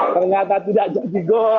ternyata tidak jadi gol